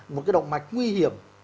một cái động mạch nguy hiểm